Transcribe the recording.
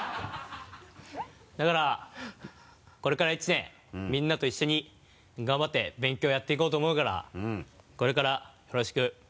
だからこれから１年みんなと一緒に頑張って勉強やっていこうと思うからこれからよろしく。